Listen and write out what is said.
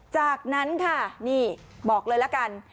จากนั้นค่ะนี่บอกเลยละกัน